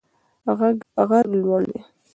غر لوړ دی